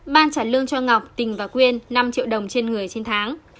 ban trả lương cho ngọc tình và quyên năm triệu đồng trên người trên tháng